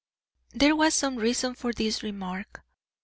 There was some reason for this remark.